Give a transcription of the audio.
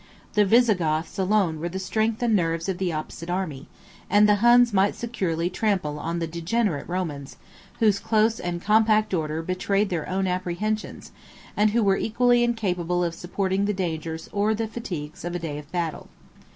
The Visigoths alone were the strength and nerves of the opposite army; and the Huns might securely trample on the degenerate Romans, whose close and compact order betrayed their apprehensions, and who were equally incapable of supporting the dangers or the fatigues of a day of battle.